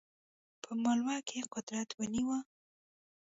په مالوه کې قدرت ونیوی.